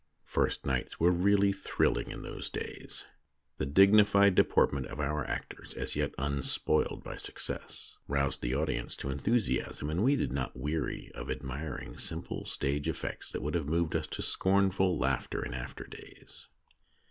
First nights were really thrilling in those days. The dignified deportment of our actors, as yet unspoiled by success, roused the audience to enthusiasm, and we did not weary of admiring simple stage effects that would have moved us to scornful laughter in after days.